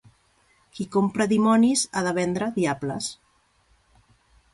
Qui compra dimonis ha de vendre diables.